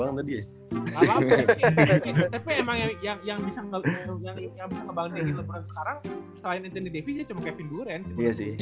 tapi emang yang bisa ngebangin lebron sekarang selain intendi devi cuman kevin duran sih